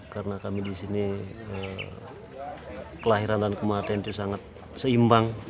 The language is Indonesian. karena kami disini kelahiran dan kematian itu sangat seimbang